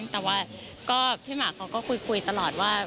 แต่ว่าก็พี่หมากเขาก็คุยตลอดว่า